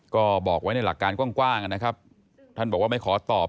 ก็บอกไว้ในหลักการกว้างนะครับท่านบอกว่าไม่ขอตอบ